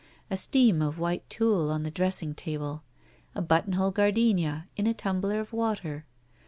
A steam of white tulle on the dressing table. A button hole gardenia in a tumbler of water.